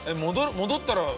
戻ったら。